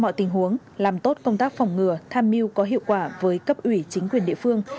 mọi tình huống làm tốt công tác phòng ngừa tham mưu có hiệu quả với cấp ủy chính quyền địa phương